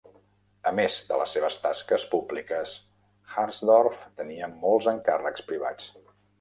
A més de les seves tasques públiques, Harsdorff tenia molts encàrrecs privats.